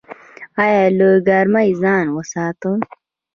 ایا له ګرمۍ ځان وساتم؟